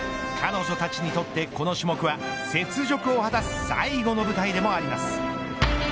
彼女たちにとって、この種目は雪辱を果たす最後の舞台でもあります。